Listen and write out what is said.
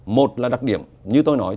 một là đặc điểm như tôi nói